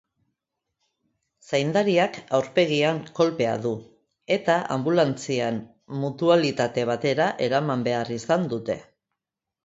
Zaindariak aurpegian kolpea du eta anbulantzian mutualitate batera eraman behar izan dute.